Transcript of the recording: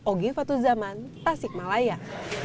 ogi fatuzaman tasikmalaya